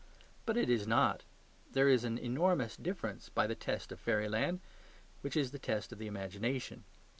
But it is not. There is an enormous difference by the test of fairyland; which is the test of the imagination.